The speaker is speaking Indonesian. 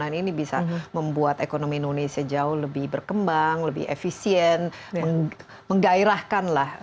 ekonomi indonesia dengan cara yang lebih efisien lebih berkembang lebih efisien menggairahkan lah